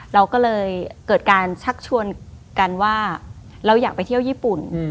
เราก็เลยเกิดการชักชวนกันว่าเราอยากไปเที่ยวญี่ปุ่น